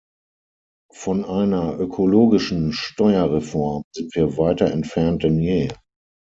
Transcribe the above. Von einer ökologischen Steuerreform sind wir weiter entfernt denn je.